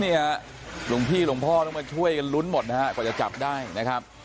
หลวงพี่หลวงพ่อต้องมาช่วยกันลุ้นหมดนะฮะกว่าจะจับได้นะครับ